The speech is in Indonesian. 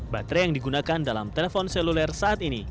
baterai yang digunakan dalam telepon seluler saat ini